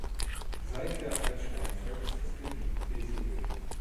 Seit der Altsteinzeit ist das Gebiet besiedelt.